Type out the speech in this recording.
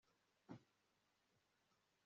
tom arakonje kandi ananiwe